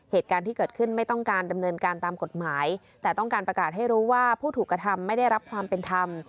เหตุการณ์ที่เกิดขึ้นไม่ต้องการดำเนินการตามกฎหมายแต่ต้องการประกาศให้รู้ว่าผู้ถูกกระทำไม่ได้รับความเป็นธรรม